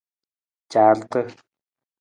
Caarata.